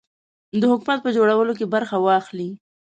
د حکومت په جوړولو کې برخه واخلي.